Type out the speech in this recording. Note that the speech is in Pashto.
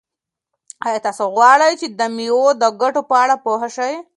آیا تاسو غواړئ چې د مېوو د ګټو په اړه پوه شئ؟